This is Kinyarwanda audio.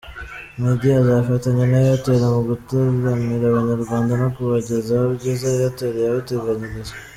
Meddy azafatanya na Airtel mu gutaramira abanyarwanda no kubagezaho ibyiza Airtel yabateganyirije.